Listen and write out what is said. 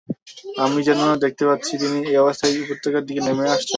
আমি যেন দেখতে পাচ্ছি তিনি এ অবস্থায় উপত্যকার দিকে নেমে আসছেন।